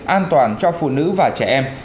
an toàn cho phụ nữ và trẻ em